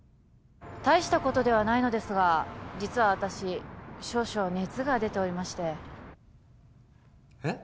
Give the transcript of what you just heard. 大したことではないのですが実は私少々熱が出ておりましてえっ？